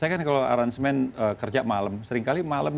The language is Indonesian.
saya kan kalau aransemen kerja malam